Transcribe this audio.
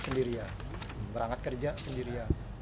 sendirian berangkat kerja sendirian